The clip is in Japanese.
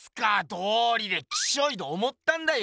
どうりでキショイと思ったんだよ！